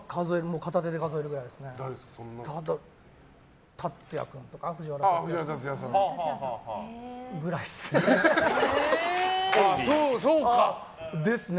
片手で数えられるくらいですね。